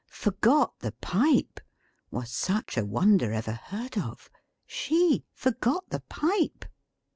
Forgot the Pipe! Was such a wonder ever heard of! She! Forgot the Pipe!